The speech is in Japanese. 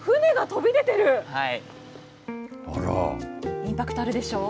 インパクトあるでしょう？